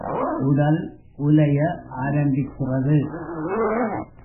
உடல் உலைய ஆரம்பிக்கிறது.